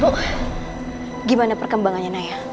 bu gimana perkembangannya naya